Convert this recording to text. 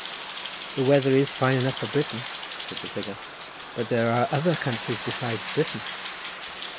"The weather is fine enough for Britain," said the figure, "but there are other countries besides Britain."